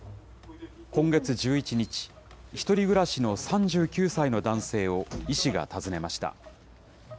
今月１１日、１人暮らしの３９歳の男性を医師が訪ねました。